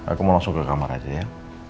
aku mau langsung ke kamar aja ya